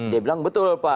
dia bilang betul pak